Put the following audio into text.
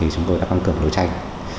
chúng tôi đã băng cường đối tranh